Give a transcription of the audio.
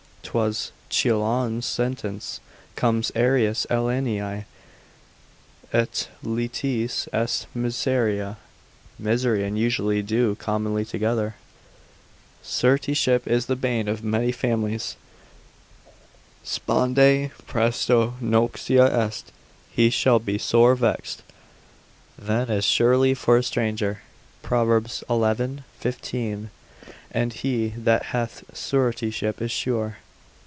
'twas Chilon's sentence, comes aeris alieni et litis est miseria, misery and usury do commonly together; suretyship is the bane of many families, Sponde, praesto noxa est: he shall be sore vexed that is surety for a stranger, Prov. xi. 15, and he that hateth suretyship is sure.